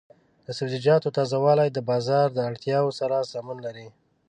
د سبزیجاتو تازه والي د بازار د اړتیاوو سره سمون لري.